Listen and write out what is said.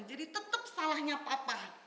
jadi tetep salahnya papa